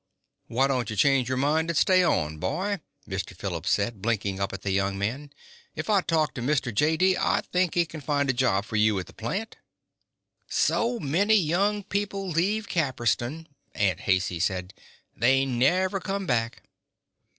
"Why don't you change your mind and stay on, boy?" Mr. Phillips said, blinking up at the young man. "If I talk to Mr. J.D., I think he can find a job for you at the plant." "So many young people leave Casperton," Aunt Haicey said. "They never come back."